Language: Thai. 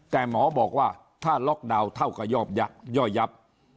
แต่หมอบอกว่าถ้าล็อกดาวน์เท่ากับยอบยักษ์ย่อยยับ